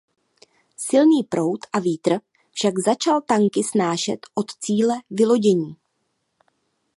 Silný proud a vítr však začal tanky snášet od cíle vylodění.